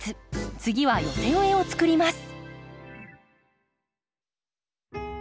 次は寄せ植えを作ります。